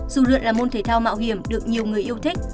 dù lượn là môn thể thao mạo hiểm được nhiều người yêu thích